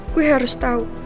gue harus tahu